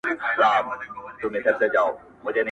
دی پاچا هغه فقیر دا څنګه کیږي؟.!